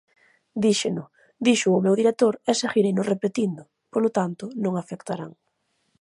Díxeno, díxoo o meu director e seguireino repetindo; polo tanto, non afectarán.